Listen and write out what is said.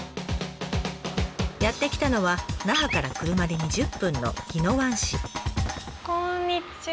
やって来たのは那覇から車で２０分の・こんにちは。